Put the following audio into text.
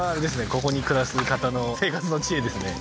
ここに暮らす方の生活の知恵ですね